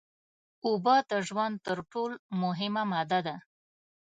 اوبه د ژوند تر ټول مهمه ماده ده